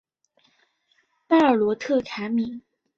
巴尔罗特卡米。